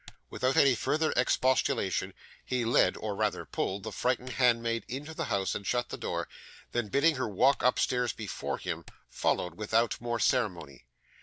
Without any further expostulation, he led or rather pulled the frightened handmaid into the house, and shut the door; then bidding her walk upstairs before him, followed without more ceremony.